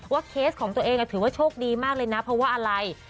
เคสของตัวเองถือว่าโชคดีมากเลยนะเพราะว่าอะไร